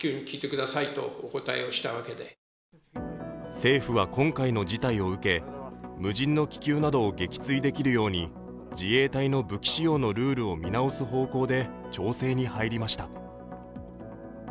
政府は今回の事態を受け無人の気球などを撃墜できるように自衛隊の武器使用のルールを見直す方向で調整に入りました。